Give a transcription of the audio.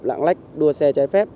lãng lách đua xe trái phép